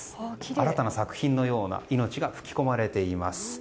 新たな作品のような命が吹き込まれています。